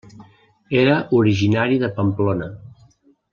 Era originari de Pamplona.